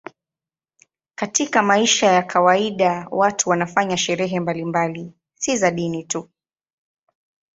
Katika maisha ya kawaida watu wanafanya sherehe mbalimbali, si za dini tu.